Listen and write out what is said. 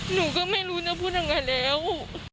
หนูก็ไม่รู้จะพูดยังไงแล้ว